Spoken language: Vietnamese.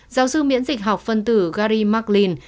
giáo sư miễn dịch học phân tử gary mclean